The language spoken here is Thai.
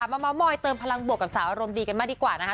มาเมาส์มอยเติมพลังบวกกับสาวอารมณ์ดีกันมากดีกว่านะคะ